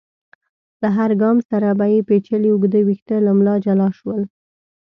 له هر ګام سره به يې پيچلي اوږده ويښته له ملا جلا شول.